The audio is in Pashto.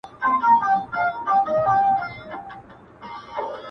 هم یې پلار ننه ایستلی په زندان وو!!